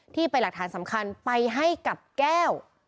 ที่เป็นหลักฐานสำคัญไปให้กับแก้ว